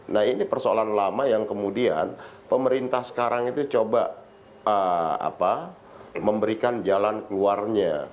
nah ini persoalan lama yang kemudian pemerintah sekarang itu coba memberikan jalan keluarnya